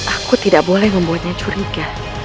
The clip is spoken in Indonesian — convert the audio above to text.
aku tidak boleh membuatnya curiga